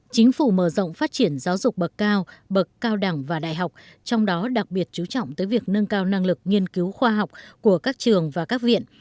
chính phủ mở rộng phát triển giáo dục bậc cao bậc cao đẳng và đại học trong đó đặc biệt chú trọng tới việc nâng cao năng lực nghiên cứu khoa học của các trường và các viện